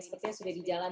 sepertinya sudah di jalan